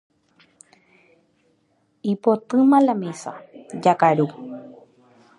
Ipotĩma la mesa, jakaru.